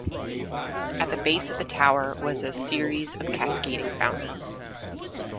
At the base of the tower was a series of cascading fountains.